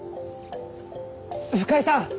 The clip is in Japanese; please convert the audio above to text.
深井さん！